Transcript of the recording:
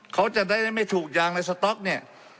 เขาจะได้ไม่ถูกยางในสต๊อกเนี่ย